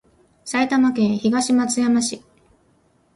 埼玉県東松山市